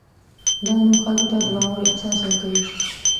دا نوم خلکو ته د باور احساس ورکوي.